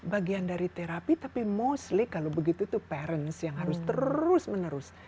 bagian dari terapi tapi mostly kalau begitu itu parents yang harus terus menerus